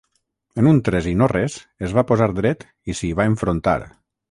En un tres i no res, es va posar dret i s'hi va enfrontar.